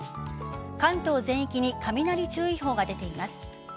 関東全域に雷注意報が出ています。